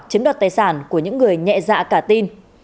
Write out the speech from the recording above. chiếm đoạt tài sản của những người nhẹ dạ cả tin